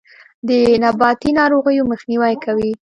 د نباتي ناروغیو مخنیوی کوي.